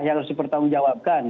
yang harus dipertanggungjawabkan